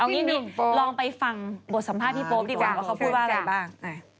งี้ลองไปฟังบทสัมภาษณ์พี่โป๊ปดีกว่าว่าเขาพูดว่าอะไรบ้าง